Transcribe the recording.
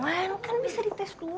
buan kan bisa dites dulu